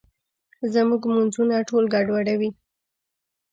زموږ مونځونه ټول ګډوډ دي.